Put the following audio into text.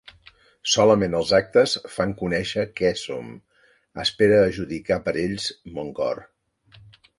Solament els actes fan conèixer què som: espera a judicar per ells mon cor.